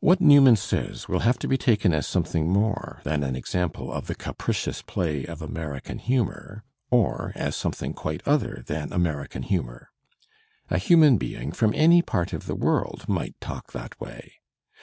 What Newman says will have to be taken as something more than an example of "the capricious play of American himiour,"or as something quite other than American humour. A hiunan being from any part of the world might talk that way.